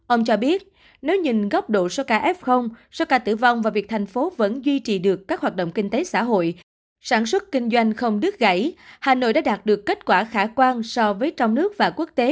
ông cho biết nếu nhìn góc độ số ca f số ca tử vong và việc thành phố vẫn duy trì được các hoạt động kinh tế xã hội sản xuất kinh doanh không đứt gãy hà nội đã đạt được kết quả khả quan so với trong nước và quốc tế